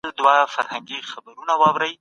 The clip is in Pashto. ملي ګټې پر هر څه لومړيتوب لري.